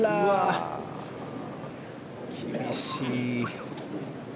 厳しいな。